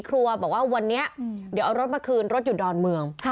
ครัวบอกว่าวันนี้เดี๋ยวเอารถมาคืนรถอยู่ดอนเมือง